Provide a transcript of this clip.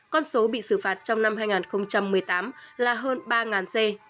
con số bị xử phạt trong năm hai nghìn một mươi tám là hơn ba xe